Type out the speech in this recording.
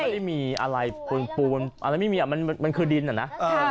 ไม่ได้มีอะไรปูนอะไรไม่มีมันคือดินเหรอนะ